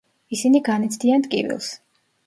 ისინი განიცდიან ტკივილს.